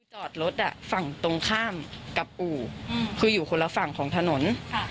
จอดรถฝั่งตรงข้ามกับอู่คืออยู่คนละฝั่งของถนน